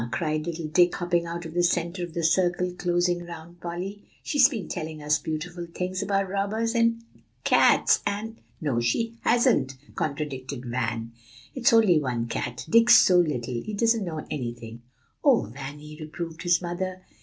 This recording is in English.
cried little Dick, hopping out of the centre of the circle closing around Polly; "she's been telling us beautiful things about robbers and cats and" "No, she hasn't," contradicted Van, "it's only one cat. Dick's so little; he doesn't know anything" "O Vanny!" reproved his mother.